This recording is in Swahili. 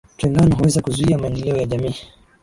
Utengano huweza kuzuia maendeleo ya jamii